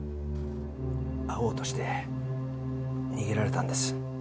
会おうとして逃げられたんです。